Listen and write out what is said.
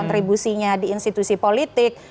kontribusinya di institusi politik